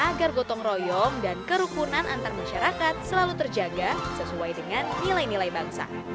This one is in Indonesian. agar gotong royong dan kerukunan antar masyarakat selalu terjaga sesuai dengan nilai nilai bangsa